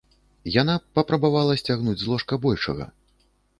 Яна папрабавала сцягнуць з ложка большага.